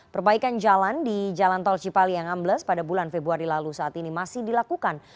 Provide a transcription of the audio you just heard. perbaikan jalan di jalan tol cipali yang ambles pada bulan februari lalu saat ini masih dilakukan